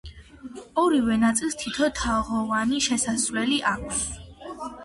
ორივე ნაწილს თითო, თაღოვანი შესასვლელი აქვს.